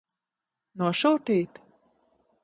Nosūtīt?